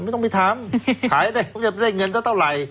ไม่ต้องไปทำขายได้จะได้เงินซะเท่าไร